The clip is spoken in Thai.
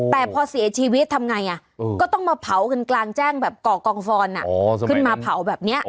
แต่พอเสียชีวิตทำไงก็ต้องมาเผากันกลางแจ้งแบบก่อกองฟอนขึ้นมาเผาแบบนี้